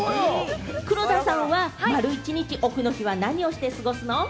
黒田さんは丸一日オフのときは何をして過ごすの？